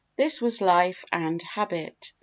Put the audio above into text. This was Life and Habit.